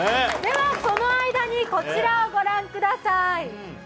その間に、こちらをご覧ください。